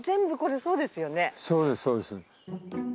そうですそうです。